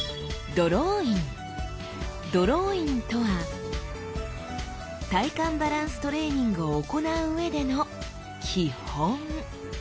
ドローインとは体幹バランストレーニングを行う上での基本。